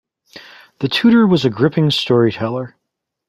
The tutor was a gripping storyteller.